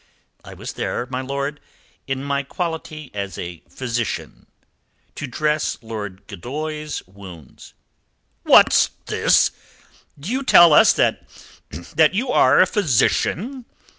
"I was there, my lord, in my quality as a physician, to dress Lord Gildoy's wounds." "What's this? Do you tell us that you are a physician?"